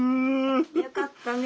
よかったね